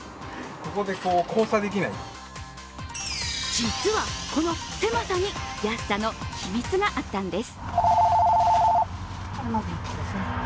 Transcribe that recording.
実は、この狭さに安さの秘密があったんです。